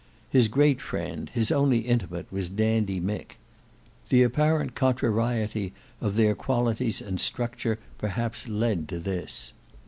His great friend, his only intimate, was Dandy Mick. The apparent contrariety of their qualities and structure perhaps led to this.